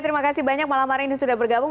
terima kasih banyak malam hari ini sudah bergabung